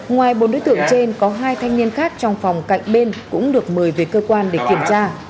ngoài bốn đối tượng trên có hai thanh niên khác trong phòng cạnh bên cũng được mời về cơ quan để kiểm tra